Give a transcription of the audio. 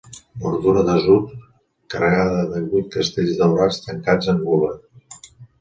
Bordura d'atzur carregada de vuit castells daurats tancats en gules.